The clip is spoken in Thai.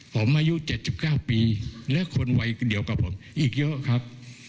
ผมอายุ๗๙ปีและคนวัยเดียวกับผมอีกเยอะครับ